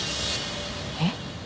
えっ？